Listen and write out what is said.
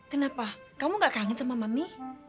kenapa kamu gak kangen sama mami